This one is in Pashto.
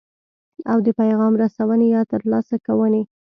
او د پیغام رسونې یا ترلاسه کوونې.